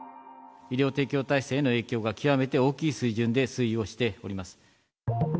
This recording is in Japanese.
医療提供体制への影響が極めて大きい水準で推移をしています。